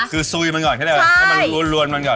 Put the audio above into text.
คือซุยมันก่อนก็ได้ให้มันลวนมันก่อน